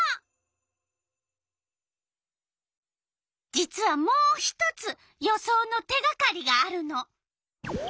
実はもう１つ予想の手がかりがあるの。